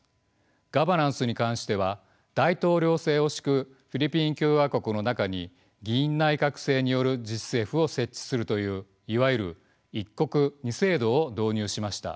ガバナンスに関しては大統領制を敷くフィリピン共和国の中に議院内閣制による自治政府を設置するといういわゆる一国二制度を導入しました。